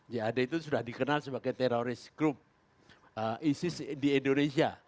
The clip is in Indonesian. jad itu sudah dikenal sebagai teroris group isis di indonesia